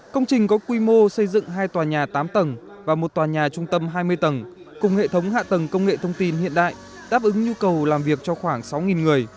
công trình khu công viên phần mềm số hai